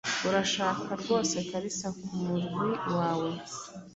Urashaka rwose Kalisa kumurwi wawe?